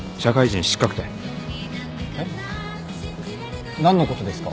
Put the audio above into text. えっ？何のことですか？